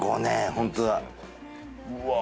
ホントだうわ